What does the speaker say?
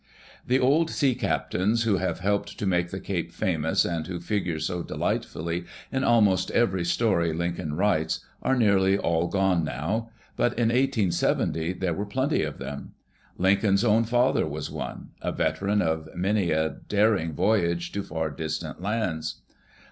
The old sea captains who have helped to make the Cape famous and who figure so delightfully in almost every story Lincoln writes are nearly all gone now, but in 1870 there were plenty of them. Lincoln's own father was one, a vet eran of many a daring voyage to far distant lands.